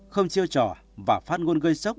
không chiêu trò và phát ngôn gây sốc